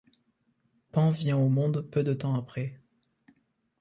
Pan vient au monde peu de temps après.